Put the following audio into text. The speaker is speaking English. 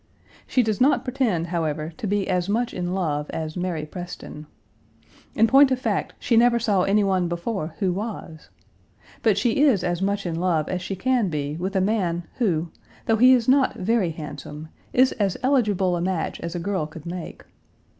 She does not pretend, however, to be as much in love as Mary Preston. In point of fact, she never saw any one before who was. But she is as much in love as she can be with a man who, though he is not very handsome, is as eligible a match as a girl could make.